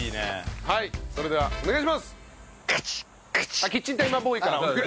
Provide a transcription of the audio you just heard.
はいそれではお願いします。